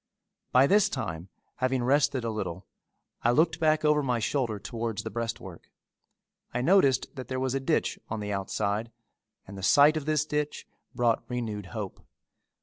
By this time having rested a little, I looked back over my shoulder towards the breastwork. I noticed that there was a ditch on the outside and the sight of this ditch brought renewed hope.